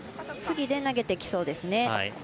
次で投げてきそうですね。